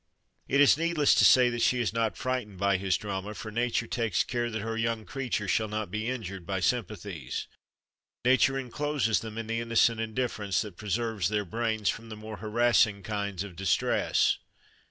It is needless to say that she is not frightened by his drama, for Nature takes care that her young creatures shall not be injured by sympathies. Nature encloses them in the innocent indifference that preserves their brains from the more harassing kinds of distress.